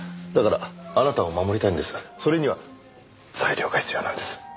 だからあなたを守りたいんですがそれには材料が必要なんです。